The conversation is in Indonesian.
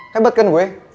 hebat kan gue